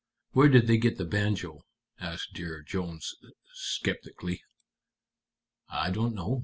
"Where did they get the banjo?" asked Dear Jones, sceptically. "I don't know.